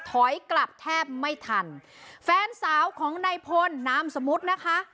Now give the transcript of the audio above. ถอยกลับแทบไม่ทันแฟนสาวของนายพลนามสมมุตินะคะ